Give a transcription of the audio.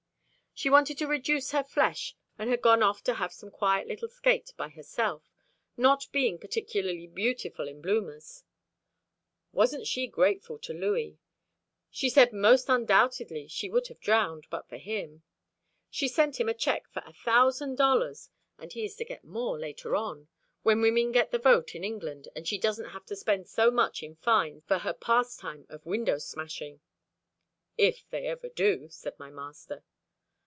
She wanted to reduce her flesh, and had gone off to have a quiet little skate by herself, not being particularly beautiful in bloomers. Wasn't she grateful to Louis! She said most undoubtedly she would have drowned, but for him. She sent him a cheque for a thousand dollars, and he is to get more later on, when women get the vote in England and she doesn't have to spend so much in fines for her pastime of window smashing. "If they ever do," said my master.